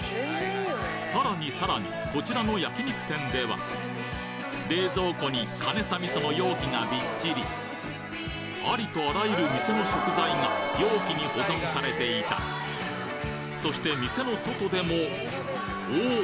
さらにさらにこちらの焼肉店では冷蔵庫にかねさ味噌の容器がびっちりありとあらゆる店の食材が容器に保存されていたそして店の外でもおお！